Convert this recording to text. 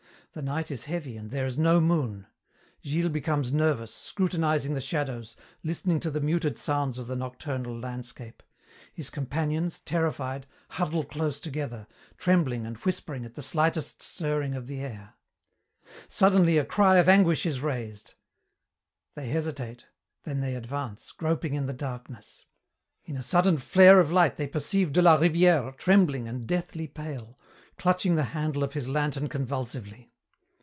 The night is heavy and there is no moon. Gilles becomes nervous, scrutinizing the shadows, listening to the muted sounds of the nocturnal landscape; his companions, terrified, huddle close together, trembling and whispering at the slightest stirring of the air. Suddenly a cry of anguish is raised. They hesitate, then they advance, groping in the darkness. In a sudden flare of light they perceive de la Rivière trembling and deathly pale, clutching the handle of his lantern convulsively.